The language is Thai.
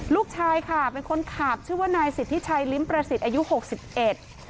ลูกชายค่ะเป็นคนขับชื่อว่านายสิทธิชัยลิ้มประสิทธิ์อายุหกสิบเอ็ด